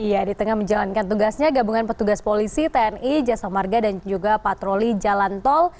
iya di tengah menjalankan tugasnya gabungan petugas polisi tni jasa marga dan juga patroli jalan tol